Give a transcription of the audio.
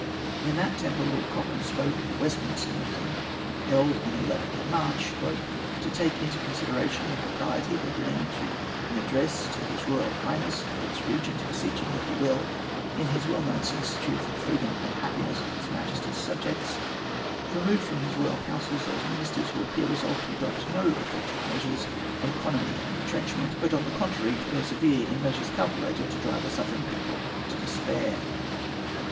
In that temper, Lord Cochrane spoke at a Westminster meeting, held on the 11th of March, "to take into consideration the propriety of agreeing to an address to His Royal Highness the Prince Regent, beseeching that he will, in his well known solicitude for the freedom and happiness of His Majesty's subjects, remove from his royal councils those ministers who appear resolved to adopt no effectual measures of economy and retrenchment, but, on the contrary, to persevere in measures calculated to drive a suffering people to despair."